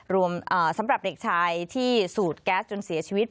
สำหรับเด็กชายที่สูดแก๊สจนเสียชีวิต